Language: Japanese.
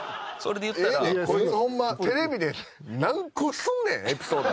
こいつホンマテレビで何個すんねんエピソード。